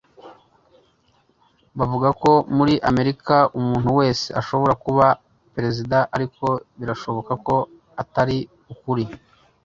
Bavuga ko muri Amerika umuntu wese ashobora kuba perezida ariko birashoboka ko atari ukuri